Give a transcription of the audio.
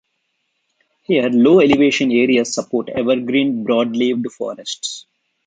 Here low elevation areas support evergreen broadleaved forests.